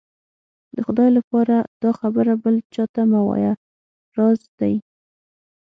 د خدای لهپاره دا خبره بل چا ته مه وايه، راز دی.